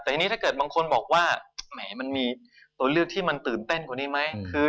แต่ทีนี้ถ้าเกิดบางคนบอกว่าแหมมันมีตัวเลือกที่มันตื่นเต้นกว่านี้ไหม